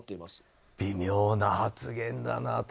微妙な発言だな。